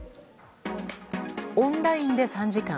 オンラインで３時間。